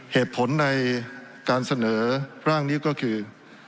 เหตุผลในการเสนอร่างนี้ก็คือ